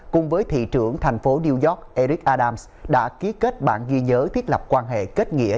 cùng với thị trưởng thành phố new york eric adams đã ký kết bản ghi nhớ thiết lập quan hệ kết nghĩa